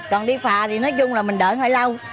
còn đi phà thì nói chung là mình đợi phải lâu